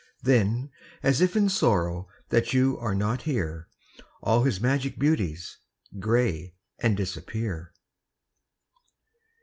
Then, as if in sorrow That you are not here, All his magic beauties Gray and disappear.